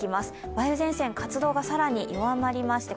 梅雨前線、活動が更に弱まりまして